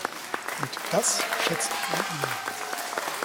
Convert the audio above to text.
Und das schätze ich an ihr.